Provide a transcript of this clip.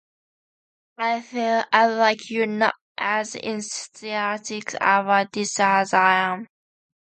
I feel like you're not as enthusiastic about this as I am.